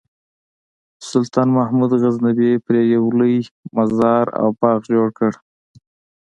سلطان محمود غزنوي پرې یو لوی مزار او باغ جوړ کړ.